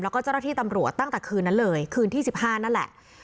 แล้วก็เจ้าหน้าที่ตำรวจตั้งแต่คืนนั้นเลยคืนที่๑๕นั่นแหละ